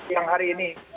yang hari ini